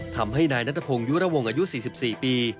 ทำให้นายนัทพงศ์ยุระวงอายุ๔๔ปี